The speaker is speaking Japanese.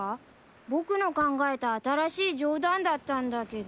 僕の考えた新しいジョーダンだったんだけど。